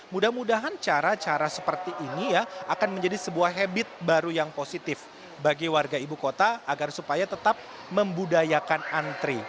mudah mudahan cara cara seperti ini ya akan menjadi sebuah habit baru yang positif bagi warga ibu kota agar supaya tetap membudayakan antri